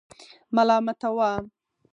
ملامتاوه.